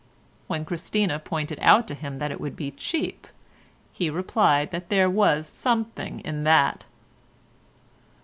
When Christina pointed out to him that it would be cheap he replied that there was something in that.